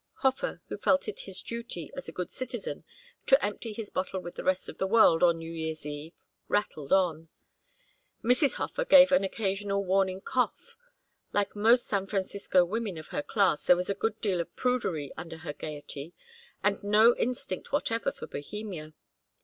'" Hofer, who felt it his duty as a good citizen to empty his bottle with the rest of the world on New Year's eve, rattled on. Mrs. Hofer gave an occasional warning cough. Like most San Francisco women of her class there was a good deal of prudery under her gayety, and no instinct whatever for Bohemia.